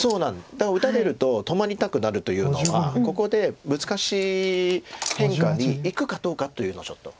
だから打たれると止まりたくなるというのはここで難しい変化にいくかどうかというのをちょっと。